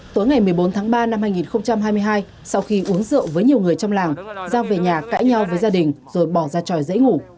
tối ngày một mươi bốn tháng ba năm hai nghìn hai mươi hai sau khi uống rượu với nhiều người trong làng giao về nhà cãi nhau với gia đình rồi bỏ ra tròi dãy ngủ